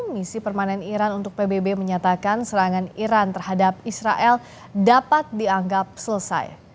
misi permanen iran untuk pbb menyatakan serangan iran terhadap israel dapat dianggap selesai